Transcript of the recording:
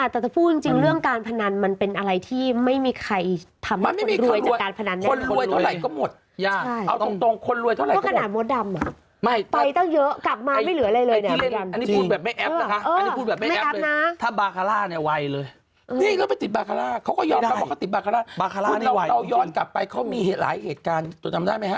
แต่ถ้าพูดจริงเรื่องการพนันมันเป็นอะไรที่ไม่มีใครทำให้คนรวยจากการพนันแน่